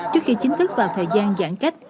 trước khi chính thức vào thời gian giãn cách